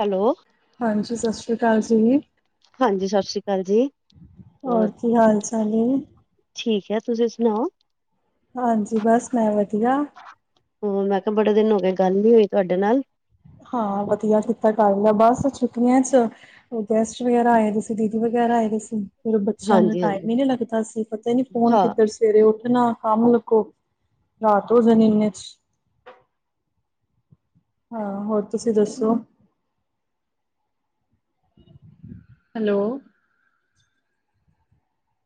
Hello, ਹਾਂਜੀ ਸਤਿ ਸ੍ਰੀ ਅਕਾਲ ਜੀ। ਹਾਂਜੀ ਸਤਿ ਸ਼੍ਰੀ ਅਕਾਲ ਜੀ ਹੋਰ ਕੀ ਹਾਲ ਚਾਲ ਏ ਠੀਕ। ਯਾਰ ਤੁਸੀਂ ਸੁਣਾਓ? ਹਾਂਜੀ ਬਸ ਮੈਂ ਵਧੀਆ ਹੋਰ ਮੈਂ ਬੜੇ ਦਿਨ ਹੋ ਗਏ ਗੱਲ ਨੀ ਹੋਈ ਤੁਹਾਡੇ ਨਾਲ ਹਾਂ ਵਧੀਆ ਕਿਥੇ ਟਾਈਮ ਏ ਬਸ ਚੁਕੀਆਂ 'ਚ ਗੈਸਟ ਵਗੈਰਾ ਆਏ ਸੀ ਦੀਦੀ ਵਗੈਰਾ ਆਏ ਦੇ ਸੀ। ਫ ਬੱਚਿਆਂ ਨੂੰ ਟਾਈਮ ਹਾਂਜੀ-ਹਾਂਜੀ, ਹੀ ਨੀ ਲੱਗਦਾ ਅਸੀ ਪਤਾ ਹੀ ਨੀ ਫੋਨ ਹਾਂ ਕਿੱਧਰ ਸਵੇਰੇ ਉੱਠ ਨਾ ਆਮ ਲੋਕੋ ਰਾਤ ਹੋ ਜਾਣੀ ਇਹ 'ਚ ਹਾਂ ਹੋਰ ਤੁਸੀਂ ਦੱਸੋ। ਹੈਲੋ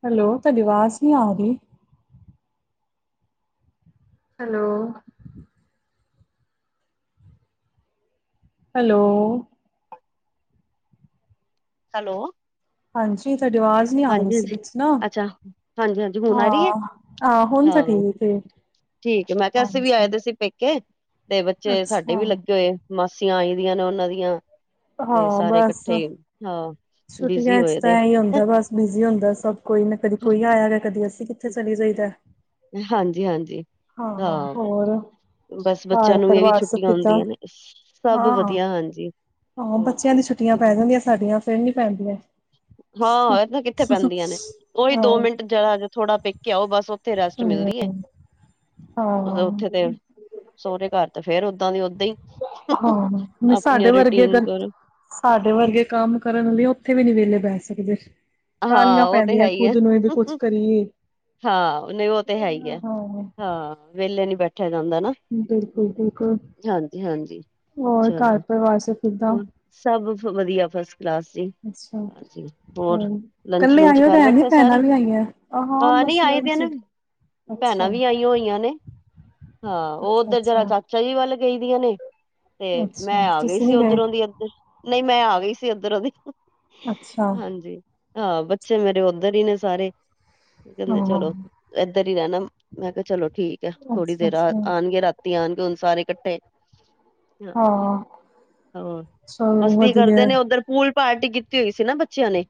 ਹੈਲੋ ਤੁਹਾਡੀ ਆਵਾਜ਼ ਨੀ ਆ ਰਹੀ। ਹੈਲੋ ਹੈਲੋ ਹੈਲੋ ਹਾਂਜੀ ਸਾਡੀ ਆਵਾਜ਼ ਨੀ ਆ ਰਹੀ ਸੀ ਹਾਂਜੀ-ਹਾਂਜੀ, ਵਿੱਚ ਨਾ ਅੱਛਾ ਹਾਂਜੀ-ਹਾਂਜੀ ਹੁਣ ਆ ਰਹੀ ਹੈ, ਹਾਂ ਆਹ ਹੁਣ ਤਾਂ ਹਾਂ ਠੀਕ ਏ। ਠੀਕ ਏ ਮੈਂ ਕਿਹਾ ਅਸੀਂ ਵੀ ਆਏ ਹਾਂਜੀ ਦੇ ਸੀ ਪੇਕੇ ਤੇ ਬੱਚੇ ਸਾਡੇ ਅੱਛਾ ਵੀ ਲੱਗੇ ਹੋਏ ਮਾਸੀਆਂ ਆਈ ਦੀਆਂ ਨੇ ਉਹਨਾਂ ਦੀਆਂ ਤੇ ਹਾਂ ਸਾਰੇ ਬਸ ਇਕੱਠੇ ਹਾਂ ਬਿਜੀ ਹੋਏ ਦੇ ਬਿਜ਼ੀ ਹੁੰਦਾ ਸਭ ਕੋਈ ਨਾ ਕਦੀ ਕੋਈ ਆਇਆ ਹੈ ਕਦੀ ਅਸੀਂ ਕਿੱਥੇ ਚਲੀ ਜਾਈਦਾ ਹਾਂਜੀ- ਹਾਂਜੀ ਹਾਂ ਹੋਰ ਬਸ ਬੱਚਿਆਂ ਘਰ ਨੂੰ ਇਹ ਵੀ ਪਰਿਵਾਰ ਸਭ ਛੁੱਟੀਆਂ ਕਿੱਦਾਂ? ਹੁੰਦੀਆਂ ਨੇ ਸਭ ਵਧੀਆ ਹਾਂਜੀ ਹੋ ਹੋਰ ਬੱਚਿਆਂ ਦੀ ਛੁੱਟੀਆਂ ਪੈ ਕੀ ਜਾਂਦੀਆਂ ਸਾਡੀਆਂ ਫਿਰ ਨੀ ਪੈਂਦੀਆਂ। ਹਾਂ ਇਹ ਤਾਂ ਕਿੱਥੇ ਪੈਂਦੀਆਂ ਨੇ ਉਹੀ ਦੋ ਆਹੋ, ਮਿੰਟ ਜਿਹੜਾ ਥੋੜਾ ਪੇਕੇ ਉਹ ਬਸ ਉੱਥੇ ਰੈਸਟ ਮਿਲ ਦੀ [unintelligible] ਹਾਂ ਸੋਹਰੇਘਰ ਤੇ ਫੇਰ ਓਦਾਂ ਦੀ ਓਦਾਂ ਹੀ ਹਾਂ [inaudible] ਵੀ ਸਾਡੇ ਆਪਣੀਆਂ ਵਰਗੇ ਰੂਟੀਨ ਅਗਰ ਕਰੋ। ਸਾਡੇ ਵਰਗੇ ਕੰਮ ਕਰਨ ਲਈ ਉੱਥੇ ਵੀ ਨੀ ਵਿਹਲੇ ਬਹਿ ਸਕਦੇ। ਹਾਂ ਕਾਲੀਆਂ ਉਹ ਤੇ ਹੈ ਪੈਂਦੀਆਂ ਹੀ ਹੈ ਖੁੱਦ ਨੂੰ ਇਹ ਵੀ ਕੁਛ ਕਰੀਏ। ਹਾਂ ਨੇ ਉਹ ਤੇ ਹੈ ਹੀ ਆ ਹਾਂ। ਹਾਂ ਵਿਹਲੇ ਨੀ ਬੈਠੇ ਜਾਂਦਾ ਨਾ ਬਿਲਕੁਲ ਬਿਲਕੁਲ। ਹਾਂਜੀ -ਹਾਂਜੀ ਹੋਰ ਘਰ ਚਲੋ ਪਰਿਵਾਰ ਸਭ ਕਿੱਦਾਂ? ਹੋਰ ਸਭ ਵਧੀਆ ਫਸ ਦਸ ਜੀ ਅੱਛਾ ਹਾਂਜੀ ਹੋਰ ਲੰਚ ਕੱਲੇ ਲੂਂਚ ਆਏ ਹੋ ਕਰ ਭੈਣ ਨੀ ਬੈਠਾ ਭੈਣਾਂ ਸਾਰੇ ਵੀ ਆਈਆਂ? ਆ ਹਾਂ ਨੀ ਆਏ ਮਸਲਨ ਦੇ ਨਾ। ਚ ਅੱਛਾ ਭੈਣਾਂ ਵੀ ਆਈਆਂ ਹੋਈਆਂ ਨੇ। ਹਾਂ ਉਹ ਅੱਛਾ ਓਧਰ ਜਰਾ ਅੱਛਾ ਚਾਚਾ ਜੀ ਵੱਲ ਗਈ ਦੀਆਂ ਨੇ ਤੇ ਅੱਛਾ ਮੈਂ ਆ ਗਈ ਤੁਸੀਂ ਸੀ ਨੀ ਗਏ ਉਧਰੋਂ ਦੀ ਇਧਰ ਨਹੀਂ ਮੈਂ ਆ ਗਈ ਸੀ ਇਧਰੋਂ ਦੀ [inaudible] ਅੱਛਾ ਹਾਂਜੀ ਹਾਂ ਬੱਚੇ ਮੇਰੇ ਉੱਧਰ ਹੀ ਨੇ ਸਾਰੇ ਕਹਿੰਦੇ ਹਾਂ ਚਲੋ ਏਧਰ ਹੀ ਰਹਿਣਾ ਮੈਂ ਕਿਹਾ ਚਲੋ ਠੀਕ ਹੈ ਥੋੜ੍ਹੀ ਅੱਛਾ ਦੇਰ ਅੱਛਾ ਆਉਣਗੇ ਰਾਤੀ ਤੀ ਆਉਣਗੇ ਹੁਣ ਸਾਰੇ ਇਕੱਠੇ ਹਾਂ ਹਹ ਚਲੋ ਮਸਤੀ ਕਰਦੇ ਵਧੀਆ ਨੇ ਉੱਧਰ ਪੂਲ ਪਾਰਟੀ ਕੀਤੀ ਹੋਈ ਸੀ ਨਾ ਬੱਚਿਆਂ ਨੇ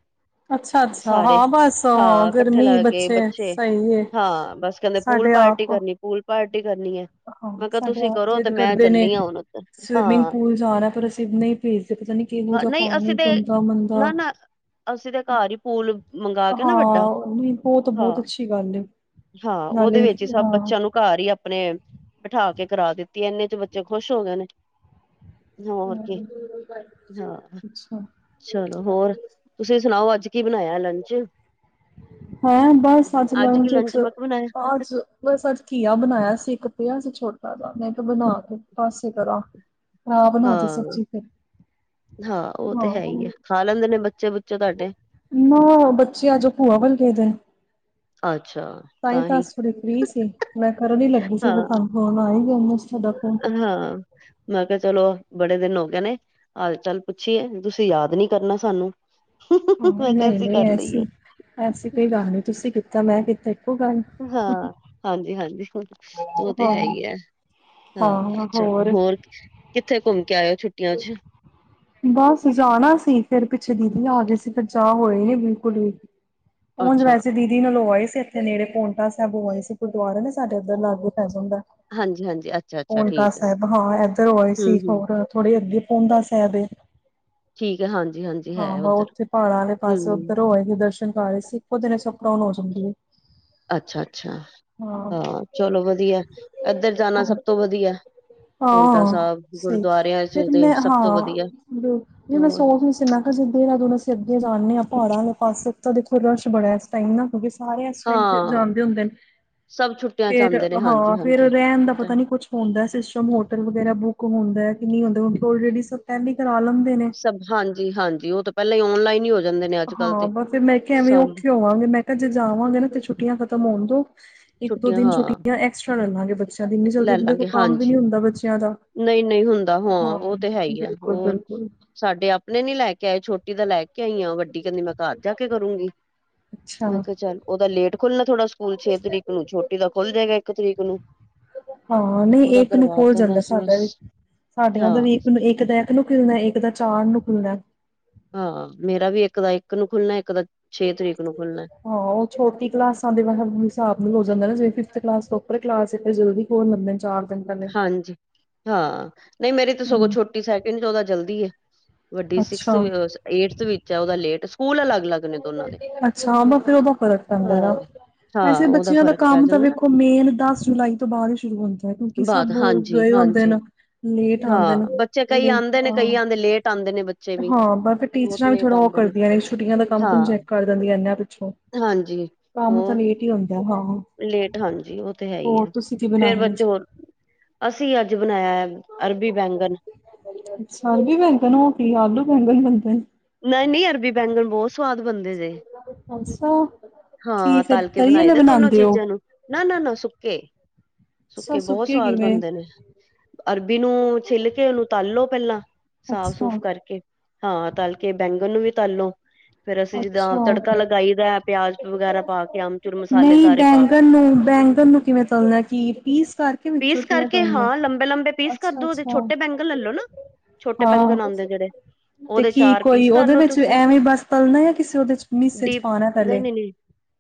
ਅੱਛਾ ਅੱਛਾ ਸਾਰੇ ਹਾਂ ਬਸ ਹਾਂ ਇਕੱਠੇ ਗਰਮੀ ਲਾ ਕੇ ਬੱਚੇ ਸਹੀ ਏ ਹਾਂ ਬਸ ਕਹਿੰਦੇ ਪੂ ਲ ਸਾਡੇ ਪਾਰਟੀ ਆਪ ਕਰਨੀ ਪੂਲ ਪਾਰਟੀ ਕਰਨੀ ਹੈ ਹਾਂ ਮੈਂ ਕਿਹਾ ਸਾਡੇ ਤੁਸੀਂ ਆਪ ਕਰੋ ਤੇ ਜਿੱਦ ਮੈਂ ਕਰਦੇ ਨੇ ਚੱਲੀ ਆ ਹੁਣ ਉੱਥ ਸਵਿਮਿੰਗ ਹਾਂ। ਪੂਲ ਜਾਣਾ ਪਰ ਅਸੀਂ ਨਹੀਂ ਭੇਜਦੇ ਪਤਾ ਨੀ ਕਿਹੋ ਹਾਂ ਜਿਹਾ ਨਹੀਂ ਪਾਣੀ ਅਸੀਂ ਤੇ ਗੰਦਾ ਮੰਦਾ ਨਾ-ਨਾ ਅਸੀਂ ਤੇ ਘਰ ਹੀ ਪੂਲ ਮੰਗਾ ਕੇ ਨਾ ਵੱਡਾ ਹਾਂ, ਨਹੀਂ ਬਹੁਤ ਬਹੁਤ ਹਾਂ। ਅੱਛੀ ਗੱਲ ਏ, ਹਾਂ ਉਹਦੇ ਨਾਲੇ ਵਿੱਚ ਹੀ ਸਭ ਹਾਂ। ਬੱਚਿਆਂ ਨੂੰ ਘਰ ਹੀ ਆਪਣੇ ਬਿਠਾ ਕੇ ਕਰਾ ਦਿੱਤੀ ਇੰਨੇ 'ਚ ਬੱਚੇ ਖੁਸ਼ ਹੋ ਗਏ ਨੇ। ਹੋਰ ਕੀ [inaudible] ਹਾਂ ਅੱਛਾ, ਚਲੋ ਹੋਰ ਤੁਸੀਂ ਸੁਣਾਓ ਅੱਜ ਕੀ ਬਣਾਇਆ ਲੰਚ ਹੈਂ ਬਸ ਅੱਜ ਕੀ ਲੰਚ ਮੈਂ ਕਿਹਾ ਬਣਾਇਆ ਅੱਜ ਬਸ ਅੱਜ ਘੀਆ ਬਣਾਇਆ ਸੀ ਇੱਕ ਸੀ ਛੋਟਾ ਜ ਮੈਂ ਕਿਹਾ ਬਣਾ ਕੇ ਪਾਸੇ ਕਰਾਂ ਬਣ ਤੇ ਹਾਂ ਸਬਜ਼ੀ ਫਿਰ ਹਾਂ ਉਹ ਤੇ ਹੈ ਹੀ ਆ ਹਾਂ। ਖਾ ਲੈਂਦੇ ਨੇ ਬੱਚੇ ਬੁੱਚੇ ਤੁਹਾਡੇ ਨਾ ਬੱਚੇ ਅੱਜ ਭੂਆ ਵੱਲ ਗਏ ਦੇ ਨੇ। ਅੱਛਾ ਤਾਂਹੀ ਤਾਂ ਹੀ ਅਜ ਫ੍ਰੀ ਸੀ ਮੈਂ ਕਰਨ ਹੀ ਲੱਗੀ ਸੀ ਹਾਂ ਤਾਂ ਫੋਨ ਆਈ ਹਾਂ ਮੈਂ ਕਿਹਾ ਚਲੋ। ਬੜੇ ਦਿਨ ਹੋ ਗਏ ਨੇ ਹਾਲ ਚਾਲ ਪੁੱਛੀਏ ਤੁਸੀਂ ਯਾਦ ਨੀ ਕਰਨਾ ਸਾਨੂੰ ਹਾਂ ਮੈਂ ਕਿਹਾ ਨਹੀਂ ਅਸੀਂ -ਨਹੀਂ ਕਰ ਐਸੀ ਲਈਏ -ਐਸੀ ਕੋਈ ਗੱਲ ਨੀ ਤੁਸੀਂ ਕੀਤਾ ਮੈਂ ਕੀਤਾ ਇੱਕੋ ਗੱਲ ਹਾਂ ਹਾਂਜੀ -ਹਾਂਜੀ ਹੁਣ ਉਹ ਤੇ ਹੈ ਹਾਂ। ਹੀ ਆ ਹਾਂ ਚਲੋ ਹੋਰ ਕਿੱਥੇ ਘੁੰਮ ਕੇ ਆਇਓ ਛੁੱਟੀਆਂ ਚ ਬਸ ਜਾਣਾ ਸੀ ਫਿਰ ਪਿੱਛੇ ਦੀਦੀ ਆ ਗਏ ਸੀ ਪੰਜਾਬ ਹੋਏ ਨੀ ਬਿਲਕੁਲ ਵੀ ਉਝ ਅੱਛਾ ਵੈਸੇ ਦੀਦੀ ਨਾਲ ਹੋ ਆਏ ਸੀ ਇੱਥੇ ਨੇੜੇ ਪੋਨਟਾ ਸਾਹਿਬ ਹੋ ਆਇ ਸੀ ਗੁਰਦੁਆਰੇ ਨੇ ਸਾਡੇ ਉੱਧਰ ਲਾਗੂ ਪੈ ਜਾਂਦਾ ਹਾਂਜੀ ਹਾਂਜੀ ਅੱਛਾ ਅੱਛਾ ਪਾਊਂਟਾ ਠੀਕ ਹੈ ਸਾਹਿਬ ਹਾਂ ਏਧਰ ਹੋਏ ਹਮ ਸੀ ਹਮ ਹੋਰ ਥੋੜੇ ਅੱਗੇ ਪਾਉਂਦਾ ਸਾਹਿਬ ਹੈ ਠੀਕ ਹੈ ਹਾਂਜੀ ਹਾਂਜੀ ਹੈ ਹਾਂ ਬ ਉੱਧਰ ਉੱਥੇ ਪਹਾੜਾ ਆਲੇ ਪਾਸੇ ਹਮ ਉੱਧਰ ਹੋਏ ਸੀ ਦਰਸ਼ਨ ਕਰ ਰਹੇ ਸੀ ਇੱਕੋ ਦਿਨ ਸ ਅਉਣ ਹੋ ਜਾਂਦੀ ਅੱਛਾ -ਅੱਛਾ ਹਾਂ ਚਲੋ ਵਧੀਆ ਇੱਧਰ ਜਾਣਾ ਸਭ ਤੋਂ ਵਧੀਆ ਪੋਂਟਾ ਹਾਂ ਸਾਹਿਬ ਸਹੀ ਗੁਰਦੁਆਰਿਆਂ ਚ ਫਿਰ ਤੇ ਮੈਂ ਸਭ ਹਾਂ ਤੋਂ ਵਧੀਆ ਨੀ ਹੋਰ ਸੋ ਗਈ ਸੀ ਮ ਕਿਆ ਦੇਹਰਾਦੂਨ ਅਸੀ ਅੱਗੇ ਜਾਂਦੇ ਹਾਂ ਪਹਾੜਾਂ ਲਿ ਪਾਸੇ ਤਾਂ ਦੇਖੋ ਰਸ਼ ਬੜਾ ਇਸ ਟਾਈਮ ਨਾ ਕਿਉਕਿ ਸਾਰੇ ਇਸ ਟਾਇਮ ਹਾਂ ਜਾਣਦੇ ਹੁੰਦੇ ਨੇ। ਸਭ ਛੁੱਟੀਆਂ ਚ ਫੇਰ ਆਉਂਦੇ ਨੇ ਹਾਂਜੀ ਹਾਂ ਫੇਰ ਹਾਂਜੀ ਰਹਿਣ ਦਾ ਉਹ ਤਾਂ ਪਤਾ ਹੈ ਨੀ ਕੁਛ ਹੁੰਦਾ ਸਿਸਟਮ ਹੋਟਲ ਵਗੈਰਾ ਬੁੱਕ ਹੁੰਦਾ। ਨਹੀਂ ੳਲਰੇਡੀ ਸਭ ਪਹਿਲੇ ਈ ਸਭ ਹਾਂਜੀ- ਹਾਂਜੀ ਉਹ ਤਾਂ ਪਹਿਲਾਂ ਹੀ ਓਨਲਾਈਨ ਹੀ ਹੋ ਜਾਂਦੇ ਨੇ ਅੱਜ ਕੱਲ੍ਹ ਹਾਂ ਤੇ ਬ ਫਿਰ ਮੈਂ ਕਿਹਾ ਐਵੇਂ ਸਭ ਉੱਖੇ ਹੋਵਾਂਗੇ ਮੈਂ ਕਿਹਾ ਜੇ ਜਾਵਾਂਗੇ ਨਾ ਤੇ ਛੁੱਟੀਆਂ ਖਤਮ ਹੋਣ ਦੋ ਇੱਕ ਦੋ ਛੁੱਟੀਆਂ ਦਿਨ ਹਾਂ ਛੁੱਟੀਆਂ ਐਕਸਟਰਾ ਲਾਂਗੇ ਬੱਚਿਆਂ ਦੀ ਇਨੀ ਜਲਦੀ ਦੇਖੋ ਕੰਮ ਵੀ ਨੀ ਹੁੰਦਾ ਬੱਚਿਆਂ ਦਾ ਨਹੀਂ- ਨਹੀਂ ਹੁੰਦਾ ਹਾਂ ਉਹ ਤੇ ਹੈ ਹੀ ਆ ਬਿਲਕੁਲ ਉਹ ਬਿਲਕੁਲ ਸਾਡੇ ਆਪਣੇ ਨੀ ਲੈ ਕੇ ਆਏ ਛੋਟੀ ਤਾਂ ਲੈ ਕੇ ਆਈ ਆ ਵੱਡੀ ਕਹਿੰਦੀ ਮੈਂ ਘਰ ਜਾ ਕੇ ਕਰੂੰਗੀ ਅੱਛਾ ਮੈਂ ਕਿਹਾ ਚੱਲ ਉਹਦਾ ਲੇਟ ਖੁੱਲਣਾ ਥੋੜਾ ਸਕੂਲ ਛੇ ਤਰੀਕ ਨੂੰ ਛੋਟੀ ਦਾ ਖੁੱਲ ਜਾਏਗਾ ਇੱਕ ਤਰੀਕ ਨੂੰ ਹਾਂ ਨਹੀਂ ਉਹਦਾ ਇੱਕ ਨੂੰ ਕਰਵਾ ਖੋਲ ਤਾ ਨਾ ਜਾਂਦਾ ਅਸੀਂ ਸਾਡਾ ਬਸ ਵੀ ਸਾਡਿਆਂ ਦਾ ਵੀ ਇੱਕ ਦਾ ਇਕ ਨੂੰ ਖੁਲਣਾ ਇੱਕ ਦਾ ਚਾਰ ਨੂੰ ਖੁਲਣਾ ਹਾਂ। ਮੇਰਾ ਵੀ ਇੱਕ ਦਾ ਇੱਕ ਨੂੰ ਖੁੱਲਣਾ ਇੱਕ ਦਾ ਛੇ ਤਰੀਕ ਨੂੰ ਖੁੱਲਣਾ ਹਾਂ। ਉਹ ਛੋਟੀ ਕਲਾਸਾਂ ਦੇ ਵਗ ਹਿਸਾਬ ਨਾਲ ਹੋ ਜਾਂਦਾ ਨਾ। ਜਿਵੇਂ ਫਿਫਥ ਕਲਾਸ ਤੋਂ ਪਰ ਕਲਾਸ ਇਥੇ ਜ਼ਲਦੀ ਖੋਲ ਲੇਦੇ ਨੇ, ਚਾਰ ਦਿਨ ਪਹਿਲੇ ਹਾਂਜੀ ਹਾਂ। ਨਹੀਂ ਮੇਰੀ ਤਾਂ ਸਗੋਂ ਹੂੰ। ਛੋਟੀ ਸੈਕਿੰਡ ਚ ਉਹਦਾ ਜਲਦੀ ਏ ਵੱਡੀ ਅੱਛਾ ਸਿਕਸ-ਅ-ਏਟਥ ਵਿੱਚ ਐ। ਉਹਦਾ ਲੇਟ, ਸਕੂਲ ਅਲੱਗ ਅੱਛਾ। ਉਹਨੂੰ ਫਿਰ ਉਦੋ ਫਰਕ ਪੈਂਦਾ ਨਾ ਹਾਂ-ਹਾਂ ਵੈਸੇ, ਉਹਦਾ ਬੱਚਿਆਂ ਦਾ ਫ਼ਰਕ ਪੈ ਕੰਮ ਤਾਂ ਜਾਂਦਾ ਨਾ ਵੇਖੋ ਮੇਨ ਦਸ ਜੁਲਾਈ ਤੋਂ ਬਾਅਦ ਹੀ ਸ਼ੁਰੂ ਹੁੰਦਾ ਨਾ ਕੀ ਬਾਅਦ ਸਭ ਗਏ ਹੁੰਦੇ ਹਾਂਜੀ-ਹਾਂਜੀ ਨ ਲੇਟ ਆਉਂਦੇ ਨੇ, ਹਾਂ ਬੱਚੇ ਕਈ ਤੇ ਆਂਦੇ ਨੇ ਕਈ ਆਂਦੇ ਲੇਟ ਆਂਦੇ ਨੇ ਬੱਚੇ ਵੀ ਆ-ਹਾਂ ਬਸ ਫਿਰ ਬਹੁਤ ਟੀਚਰਾਂ ਵੀ ਲੇਟ ਥੋੜਾ ਆਂਦੇ ਕਰਦੀਆਂ ਨੇ, ਛੁੱਟੀਆਂ ਦਾ ਕੰਮ-ਕੁਮ ਹਾਂ ਚੈਕ ਦਿੰਦੀਆਂ ਇਨਾਂ ਪਿੱਛੋਂ। ਹਾਂਜੀ ਕੰਮ ਤਾਂ ਹੋਰ ਲੇਟ ਹੀ ਹੁੰਦਾ ਹਾਂ ਲੇਟ ਹਾਂਜੀ। ਉਹ ਤੇ ਹੈ ਹੀ ਹੋਰ ਆ, ਤੁਸੀਂ ਕੀ ਫੇਰ ਬਣਾਇਆ ਅੱਜ ਬੱਚੇ ਹੋ ਅਸੀਂ ਅੱਜ ਬਣਾਇਆ ਐ। ਅਰਬੀ ਬੈਂਗਨ ਅੱਛਾ। ਅਰਬੀ ਬੈਗਣ ਓ ਕੀ, ਆਲੂ ਬੈਗਣ ਵ ਨਹੀਂ-ਨਹੀਂ ਅਰਬੀ ਬੈਂਗਣ ਬਹੁਤ ਸਵਾਦ ਬਣਦੇ ਜੇ ਅੱਛਾ ਕੀ ਹਾਂ। ਫਿਰ ਤਲ ਕੇ ਤਰੀ ਬਣਾਏ ਆਲੇ ਦੇ ਦੋਨੋ ਬਣਾਉਂਦੇ ਹੋ ਚੀਜ਼ਾਂ ਨੂੰ, ਨਾ- ਨਾ- ਨਾ ਸੁੱਕੇ ਅੱਛਾ ਸੁੱਕੇ ਬਹੁਤ ਸਵਾਦ ਕਿਵੇਂ ਬਣਦੇ ਨੇ, ਅਰਬੀ ਨੂੰ ਛਿਲ ਕੇ ਉਹਨੂੰ ਤਲ ਲੋ ਪਹਿਲਾਂ ਅੱਛਾ ਸਾਫ-ਸੂਫ਼ ਕਰਕੇ ਹਾਂ। ਤਲ ਕੇ ਬੈਂਗਨ ਨੂੰ ਵੀ ਤਲੋ, ਫੇਰ ਅਸੀ ਜਿਦਾਂ ਤੜਕਾ ਲਗਾਈ ਦਾ ਐ। ਪਿਆਜ ਵਗੈਰਾ ਪਾ ਕੇ ਆਮਚੂਰ ਮਸਾਲੇ ਨੀ, ਸਾਰੇ ਪਾ ਕੇ ਬੈਂਗਨ ਨੂੰ- ਬੈਂਗਨ ਨੂੰ ਕਿਵੇ ਤਲਣਾ ਕੀ ਪੀਸ ਕਰਕੇ ਵਿਚੋ ਪੀਸ ਕਿਵੇ ਕਰਕੇ ਤਲਣਾ ਏ ਹਾਂ ਲੰਬੇ ਲੰਬੇ ਪੀਸ ਕਰ ਅੱਛਾ- ਦੋ ਉਹਦੇ ਅੱਛਾ ਛੋਟੇ ਬੈਂਗਣ ਲੈਲੋ ਨਾ ਛੋਟੇ ਬੈਂਗਨ ਆਉਦੇ ਜਿਹੜੇ ਹਾਂ ਤੇ ਉਹਦੇ ਕੀ ਚਾਰ ਕੋਈ ਪੀਸ ਉਹਦੇ ਕਰਲੋ ਵਿਚ ਤੁਸੀਂ ਐਵੇ ਬਸ ਤਲਣਾ ਜਾਂ ਕਿਸੇ ਉਹਦੇ 'ਚ ਮਿਸ 'ਚ ਡੀਪ ਪਾਣਾ ਨਹੀਂ ਪਹਿਲੇ ਨਹੀਂ ਨਹੀਂ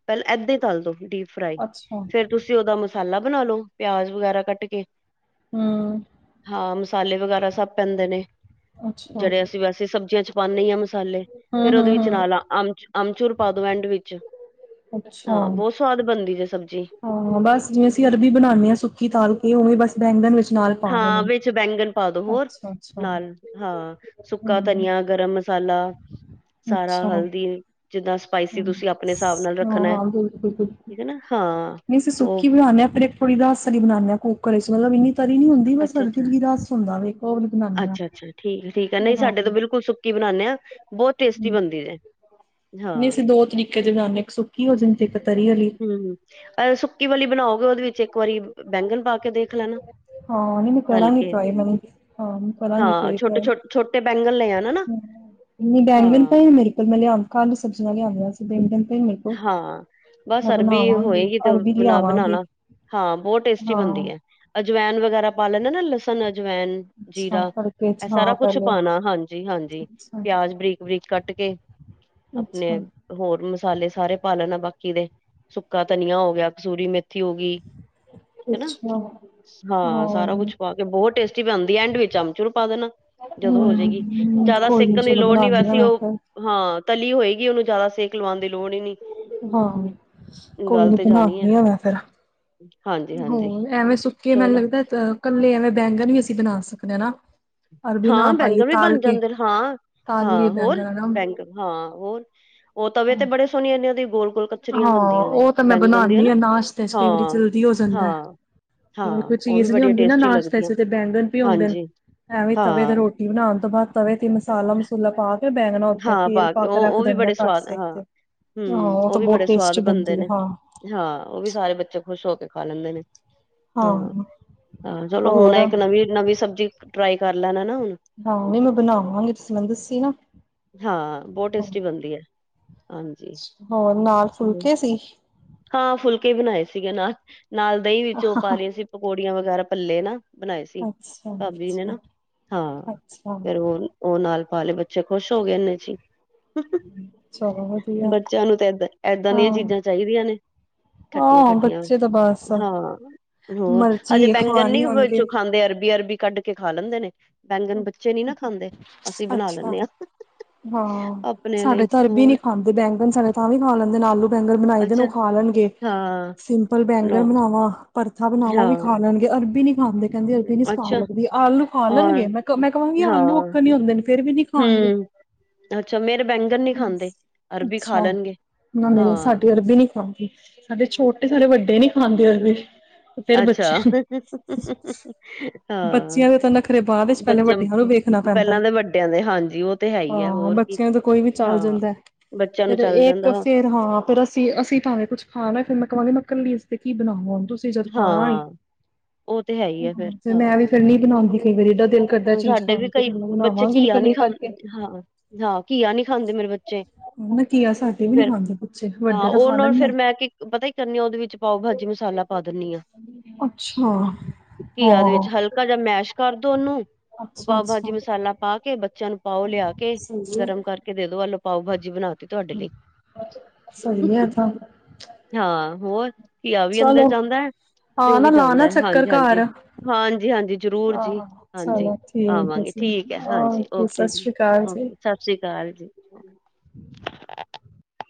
ਪਹਿਲਾਂ ਏਦਾ ਹੀ ਤਲਦੋ ਡੀਪ ਫਰਾਈ। ਅੱਛਾ ਹੂੰ ਫੇਰ ਤੁਸੀ ਉਹਦਾ ਮਸ ਮਸਾਲਾ ਬਣਾ ਲੋ, ਪਿਆਜ ਵਗੈਰਾ ਕਟ ਕੇ ਹਾਂ। ਮਸ ਮਸਾਲੇ ਵਗੈਰਾ ਸਭ ਪੈਦੇ ਨੇ, ਅੱਛਾ ਜਿਹੜੇ ਅਸੀ ਵੈਸੇ ਸਬਜ਼ੀਆ ਚ' ਪਾਉਦੇ‌ ਈ ਆ। ਮਸਾਲੇ, ਫੇਰ ਉਹਦੇ ਵਿਚ ਨਾਲ ਹੂੰ-ਹੂੰ-ਹੂੰ ਅਮ -ਅਮਚੁਰ ਪਾਦੋ ਐਡ ਵਿਚ ਅੱਛਾ ਹਾਂ। ਬਹੁਤ ਸਵਾਦ ਬਣਦੀ ਏ ਸਬਜ਼ੀ ਹਾਂ। ਬਸ ਜਿਵੇਂ -ਅਸੀ ਅਰਬੀ ਬਣਾਉਾਨਦੇ ਆ। ਸੁਕੀ ਤਾਲ ਕੇ ਉਵੇ ਬਸ ਬੈਂਗਣ ਵਿਚ ਹਾਂ। ਵਿਚ ਬੈਂਗਣ ਪਾ ਦੋ ਹੋਰ ਅੱਛਾ-ਅੱਛਾ ਨਾਲ ਹਾਂ ਸੁੱਕਾ ਹੂੰ ਧਨੀਆ, ਗਰਮ ਮਸਾਲਾ, ਸਾਰਾ ਅੱਛਾ ਹਲਦੀ ਜਿੱਦਾਂ ਸਪਾਈਸੀ ਹੂੰ, ਤੁਸੀਂ ਆਪਣੇ ਹਿਸਾਬ ਨਾਲ ਰੱਖਣਾ ਹੈ, ਹਾਂ-ਹਾਂ ਬਿਲਕੁਲ- ਬਿਲਕੁਲ ਠੀਕ ਹੈ ਨਾ ਹਾਂ ਨਹੀ। ਅਸੀ ਉਹ ਸੁਕੀ ਬਣਾਉਦੇ ਆ। ਫਿਰ ਇਕੋ ਰਸ ਦੀ ਬਣਾਨਦੇ ਆ ਕੁੱਕਰ ਚ', ਮਤਲਬ ਇੰਨੀ ਤਰੀ ਨੀ ਹੁੰਦੀ, ਬਸ ਅੱਛਾ ਹਲਕੀ ਅੱਛਾ ਜੀ ਰਸ ਹੁੰਦਾ ਵੇ, ਉਹ ਵਾਲੀ ਬਣਾਉਦੇ ਹਾਂ ਅੱਛਾ ਅੱਛਾ ਠੀਕ ਹੈ ਠੀਕ ਹੈ ਨਹੀਂ ਸਾਡੇ ਤਾਂ ਬਿਲਕੁਲ ਸੁੱਕੀ ਬਣਾਉਦੇ ਹਾਂ। ਬਹੁਤ ਟੇਸਟੀ ਬਣਦੀ ਐ। ਨਹੀ। ਅਸੀ ਦੋ ਤਰੀਕੇ ਨਾਲ ਮਿਕਸ ਸੁਕੀ ਹੋ ਜਾਦੀ ਇਕ ਹੂੰ, ਸੁਕੀ ਵਾਲੀ ਬਣਾਓਗੇ ਉਹਦੇ ਵਿਚ ਇਕ ਵਾਰੀ ਬ-ਬੈਂਗਣ ਪਾ ਕੇ ਦੇਖ ਲੈਣਾ ਹਾਂ। ਨਹੀ ਮੈਂ ਤਲ ਕਰਾਂਗੀ ਕੇ ਟਰਾਈ ਹੁਨ। ਹਾਂ ਕਰਾਂਗੀ ਇਕ ਹਾਂ ਵਾਰੀ ਛੋਟੇ ਟਰਾਈ ਛੋਟੇ ਛੋਟੇ ਬੈਂਗਣ ਲੈ ਆਣਾ ਨਾ ਹੂੰ, ਨਹੀ ਬੈਂਗਨ ਹਾਂ ਤਾ ਨੀ ਮੇਰੇ ਕੋਲ‌ ਮੈ ਲਿਆ-ਮੈ ਕੱਲ ਹੀ ਸਬਜ਼ੀਆਂ ਨਾਲ ਲਿਆਉਂ ਦੀਆ ਸੀ। ਬੈ ਹਾਂ। ਬਸ ਅਰਬੀ ਹੋਏਗੀ ਤੇ ਅਰਬੀ ਨਾਲ ਲਿਆਵਾਂਗੀ ਬਣਾਨਾ। ਹਾਂ। ਬਹੁਤ ਟੇਸਟੀ ਬਣਦੀ ਹਾਂ। ਐ। ਅਜਵੈਨ ਵਗੈਰਾ ਪਾ ਲੈਣਾ ਨਾ ਲਸਣ ਜਵਾੈਨ ਅੱਛਾ ਜੀਰਾ ਕਰਕੇ ਇਹ ਸਾਰਾ ਹਾਂ ਕੁਛ ਪਹਿਲੇ ਪਾਉਣਾ ਹਾਂਜੀ- ਹਾਂਜੀ ਅੱਛਾ ਪਿਆਜ ਬਰੀਕ- ਬਰੀਕ ਕਟ ਕੇ ਅੱਛਾ ਆਪਣੇ ਹੋਰ ਮਸ ਸਾਲੇ ਸਾਰੇ ਪਾ ਲੈਣਾ ਬਾਕੀ ਦੇ ਸੁਕਾ ਧਨੀਆ ਹੋ ਗਿਆ। ਕਸੂਰੀ ਮੇਥੀ ਹੋ ਗਈ ਹਨਾ ਅਛਾ- ਹਾਂ। ਸਾਰਾ ਕੁਛ ਪਾ ਕੇ ਬਹੁਤ ਟੇਸਟੀ ਬਣਦੀ ਐ। ਐਂਡ ਵਿਚ ਅਮਚੂਰੂ ਪਾ ਦੇਣਾ ਜਦੋ ਹੋਜਏਗੀ। ਹਮ ਜਿਆਦਾ ਕੋਈ ਨੀ ਸੇਕਣ ਦੀ ਚਲੋ ਲੋੜ ਨਹੀ ਬਣਾਉਣੀ ਆ ਵੈਸੀੇ ਮੈਂ ਉਹ ਫਿਰ ਹਾਂ ਤਲੀ ਹੋਏਗੀ। ਉਹਨੂੰ ਜ਼ਿਆਦਾ ਸੇਕ ਲਵਾਉਣ ਦੀ ਲੋੜ ਹੀ ਨੀ ਹਾਂ ਕੋਈ ਗੱਲ ਨੀ ਤੇ ਜਾਣੀ ਹੈ ਬਣਾਨੀ ਆ ਮੈਂ ਫੇਰ। ਹਾਂਜੀ-ਹਾਂਜੀ ਹੋਰ ਐਵੇ ਸੁਕੇ ਮੈਨੂੰ ਚਲੋ ਲਗਦਾ ਅ ਕਲੇ ਐਵੇ ਬੈਂਗਣ ਵੀ ਅਸੀ ਬਣਾ ਸਕਨੇ ਹਾ ਹਨਾ। ਹਾਂ ਬੈਂਗਣ ਵੀ ਬਣ ਜਾਦੇ ਨੇ ਹਾਂ। ਤਾਲ ਲਈਏ ਹਾਂ ਹੋਰ ਬੈਂਗਣ ਹਨਾ। ਬੈਂਕ ਹਾਂ ਹੋਰ ਉਹ ਤਵੇ ਤੇ ਹਾਂ ਬੜੇ ਸੋਹਣੇ ਇਨੇ ਉਹਦੀ ਗੋਲ ਹਾਂ ਉਹ ਤਾਂ ਮੈਂ ਬਨਾਨੀ ਹਾਂ ਨਾਸ਼ਤੇ ਚ ਕਈ ਵਾਰੀ ਹਾਂ। ਜਲਦੀ ਹੋ ਜਾਂਦਾ। ਕੋਈ ਹਾਂ-ਹਾਂ ਉਹ ਵੀ ਚੀਜ਼ ਨੀ ਬੜੀਆਂ ਹੁੰਦੀ ਨਾ ਟੇਸਟੀ ਨਾਸਤੇ ਲੱਗਦੀਆਂ ਚ ਤੇ ਬੈਂਗਣ ਪਏ ਹੁੰਦੇ ਹਾਂਜੀ ਐਵੇਂ ਤਵੇ ਤੇ ਹਾਂ-ਹਾਂ ਰੋਟੀ ਬਣਾਉਣ ਤੋਂ ਬਾਅਦ ਤਵੇ ਮਸਾਲਾ-ਮਸੂਲਾ ਪਾ ਕੇ ਬੈਂਗਣਾ ਉਥੇ ਤੇਲ ਪਾ ਕੇ ਉਹ ਰਖ ਉਹ ਵੀ ਦਿਦੇ ਹਾਂ ਬੜੇ ਕਟ ਸਵਾਦ ਸਕ ਹਾਂ ਤੇ ਹੂੰ ਹੋ। ਉਹ ਵੀ ਬੜੇ ਸਵਾਦ ਬਣਦੇ ਨੇ ਹਾਂ ਉਹ ਵੀ ਸਾਰੇ ਬੱਚੇ ਖੁਸ਼ ਹੋ ਕੇ ਖਾ ਲੈਦੇ ਨੇ। ਹਾਂ ਹਾਂ ਚਲੋ ਹੁਣ ਹੋਰ ਇਕ ਨਵੀ ਨਵੀ ਸਬਜ਼ੀ ਟਰਾਈ ਕਰ ਲੈਨਾ। ਹਾਂ ਨੀ ਮੈਂ ਬਣਾਵਾਂਗੀ ਤੁਸੀ ਮੈਨ ਦਸੀ ਨਾ। ਹਾਂ ਬਹੁਤ ਹਾਂ ਟੇਸਟੀ ਬਣਦੀ ਹੈ। ਹਾਂਜੀ। ਹੋਰ ਨਾਲ ਚਲੋ। ਫੁਲਕੇ ਸੀ। ਹਾਂ ਫੁਲਕੇ ਬਣਾਏ ਸੀਗੇ ਨਾਲ, ਨਾਲ ਦਹੀ ਵਿਚ ਉਹ ਪਾ ਲਈਆਂ ਸੀ ਪਕੋੜੀਆਂ ਵਗੈਰਾ ਪੱਲੇ ਨਾ। ਬਣਾਏ ਸੀ ਅੱਛਾ-ਅੱਛਾ, ਭਾਬੀ ਜੀ ਨੇ ਅੱਛਾ ਨਾ ਹਾਂ ਅੱਛਾ ਫੇਰ ਹੁਣ ਉਹ ਨਾਲ ਬਾਲੇ ਬੱਚੇ ਖੁਸ਼ ਹੋ ਗਏ ਇੰਨੇ ਇਚ ਹੀ। ਚਲੋ ਵਧੀਆ। ਬੱਚਿਆਂ ਨੂੰ ਤਾਂ ਏਦਾਂ, ਏਦਾਂ ਦੀਆਂ ਹਾਂ, ਚੀਜ਼ਾਂ ਚਾਹੀਦੀਆਂ ਨੇ। ਹਾਂ ਖੱਟੀਆਂ-ਖੱਟੀਆਂ ਬੱਚੇ ਤਾਂ ਬਸ ਹਾਂ ਹੋਰ ਹਜੇ ਮਰਜੀ ਬੈਗਨ ਨੀ ਖਵਾਣੀ ਵਿਚੋ ਹੋਣਗੇ। ਖਾਂਦੇ ਅਰਬੀ- ਅਰਬੀ ਵੀ ਕੱਢ ਕੇ ਖਾ ਲੈਂਦੇ ਨੇ ਬੈਂਗਨ ਬੱਚੇ ਨਹੀਂ ਨਾ ਖਾਂਦੇ ਅਸੀਂ ਬਨਾ ਅੱਛਾ, ਲੇਨੇ ਆ। ਆਪਣੇ ਲਈ ਹੋਰ ਬੈਂਗਨ ਸਾਡੇ ਤਾਂ ਵੀ ਖਾ ਲੈਂਦੇ ਆਲੂ ਬੈਨਰ ਬਣਾਈ ਦੇ ਨੇ ਉਹ ਅੱਛਾ ਖਾ ਲੈਣਗੇ। ਹਾਂ ਸਿੰਪਲ ਬੈਂਗਨ ਲੋ- ਬਣਾਵਾਂ, ਭੜਥਾ ਬਣਾਵਾਂ ਉਹ ਵੀ ਹਾਂ ਖਾ ਲੈਣਗੇ ਅਰਬੀ ਨੀ ਖਾਂਦੇ। ਕਹਿੰਦੇ ਅਰਬੀ ਨੀ ਸਵਾਦ ਅੱਛਾ ਲੱਗਦੀ ਆਲੂ ਖਾ ਔਰ ਲੈਣਗੇ ਮੈਂ ਕਵਾਂਗੀ ਆਲੂ ਹਾਂ ਅਕਨ ਹੀ ਹੁੰਦੇ ਨੇ ਫੇਰ ਵੀ ਨੀ ਖਾਣਗੇ। ਹਮ ਅੱਛਾ। ਮੇਰਾ ਬੈਂਗਣ ਨਹੀਂ ਖਾਂਦੇ, ਅਰਬੀ ਖਾ ਅੱਛਾ ਲੈਣਗੇ। ਨਾ, ਮੇਰੇ ਹਾਂ। ਸਾਡੇ ਅਰਬੀ ਨਹੀਂ ਖਾਂਦੇ। ਸਾਡੇ ਛੋਟੇ ਸਾਡੇ ਵੱਡੇ ਨਹੀਂ ਖਾਂਦੇ ਹੋਏ ਫਿਰ ਅੱਛਾ ਬੱਚੇ ਹਾਂ ਬੱਚਿਆਂ ਦੇ ਤਾਂ ਨਾਖਰੇ ਬਾਅਦ ਚ ਪਹਿਲੇ ਬੱਚਾ ਵਾਡੀਆ ਨੂ ਵੇਖਨਾ ਪੈਂਦਾ। ਪਹਿਲਾਂ ਦੇ ਵੱਡਿਆਂ ਦੇ ਹਾਂਜੀ ਉਹ ਤੇ ਹੈ ਹੀ ਹੈ ਹਾਂ ਹੋਰ ਕੀ ਬੱਚਿਆਂ ਤੋਂ ਕੋਈ ਵੀ ਚਲਾ ਹਾਂ ਜਾਂਦਾ। ਬੱਚਿਆਂ ਨੂੰ ਫਿਰ ਚੱਲ ਜਾਂਦਾ ਇਕ ਸਿਰ ਹਾਂ ਫਿਰ ਅਸੀਂ-ਅਸੀਂ ਭਾਵੇਂ ਕੁਛ ਖਾਨਾ ਮੈਕਰੋਨੀ ਮੈਂ ਕੱਲੀ ਆਸਤੇ ਕਿ ਬਣਾਵਾ ਹੁਨ। ਤੁਸੀਂ ਜੱਦ ਖਾਨਾ ਈ, ਹਾਂ ਉਹ ਤੇ ਹੈ ਹੀ ਹੈ ਫੇਰ ਹਾਂ ਮੈ ਵੀ ਨੀ ਬਣਾਉਦੀ। ਹੁਣ ਸਾਡੇ ਵੀ ਕਈ ਬੱਚੇ ਬਣਾਵਾਂਗੀ ਨੀ ਘੀਆ ਨਹੀਂ ਕੱਲੀ ਕਰਕੇ ਖਾਂਦੇ ਹਾਂ ਹਾਂ ਘੀਆ ਨਹੀਂ ਖਾਂਦੇ ਮੇਰੇ ਬ ਜੇ ਨਾ ਘੀਆ ਸਾਡੇ ਵੀ ਨੀ ਫੇਰ ਖਾਂਦੇ ਬੱਚੇ ਹਾਂ ਵੱਡੇ ਤਾਂ ਖਾ ਉਹਨੂੰ ਫਿਰ ਲੈਂਦੇ ਮੈਂ ਪਤਾ ਕੀ ਆ ਕਰਨੀ ਉਹਦੇ ਵਿੱਚ ਪਾਊ ਭਾਜੀ ਮਸਾਲ ਪਾ ਦਿੰਨੀ ਆ, ਅੱਛਾ। ਘੀਆ ਦੇ ਹਾਂ। ਵਿੱਚ ਹਲਕਾ ਜਿਹਾ ਮੈਸ਼ ਕਰ ਦੋ ਉਨੂ। ਪਾਓ ਅੱਛਾ-ਅੱਛਾ, ਭਾਜੀ ਮਸਾਲਾ ਪਾ ਕੇ ਬੱਚਿਆਂ ਨੂੰ ਪਾਓ ਲਿਆ ਕੇ ਸਹੀ ਹੈ। ਗਰਮ ਕਰਕੇ ਦੇ ਦੋ ਐਲੋ ਪਾਓ ਭਾਜੀ ਬਣਾ ਤੀ ਤੁਹਾਡੇ ਲਈ ਸਹੀ ਹੈ ਤਾਂ, ਹਾਂ ਹੋਰ। ਘੀਆ ਵੀ ਅੰਦਰ ਚਲੋ ਜਾਂਦਾ ਤੇ ਹਾਂ ਉਹ ਨਾ ਵੀ ਲਾਣਾ ਜਾਂਦਾ ਚੱਕਰ ਘਰ। ਹਾਂਜੀ-ਹਾਂਜੀ, ਹਾਂਜੀ-ਹਾਂਜੀ ਜਰੂਰ ਜੀ। ਆਹ ਚਲੋ ਠੀਕ ਹੈ ਆਵਾਂਗੇ ਜੀ, ਠੀਕ ਹ ਹਾਂਜੀ ਓਕੇ ਸਤਿ ਜੀ ਸ੍ਰੀ ਅਕਾਲ ਜੀ। ਓਕੇ ਸਸ ਸ੍ਰੀ ਕਾਲ ਜੀ। ਕੋਈ ਆਵਾਜ਼ ਨਹੀਂ